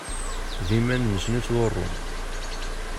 D iman-nsen i ttḍurrun.